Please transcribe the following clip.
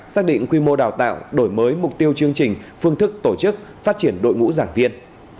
xác định quy mô đào tạo đổi mới mục tiêu chương trình phương thức tổ chức phát triển đội ngũ giảng viên